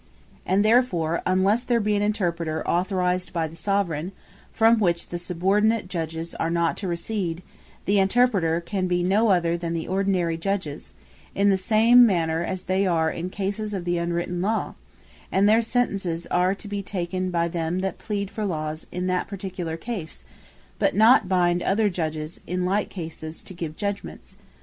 And therefore unlesse there be an Interpreter authorised by the Soveraign, from which the subordinate Judges are not to recede, the Interpreter can be no other than the ordinary Judges, in the some manner, as they are in cases of the unwritten Law; and their Sentences are to be taken by them that plead, for Lawes in that particular case; but not to bind other Judges, in like cases to give like judgements.